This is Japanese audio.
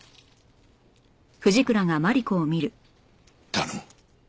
頼む。